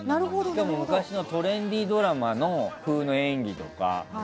昔のトレンディードラマ風の演技とか。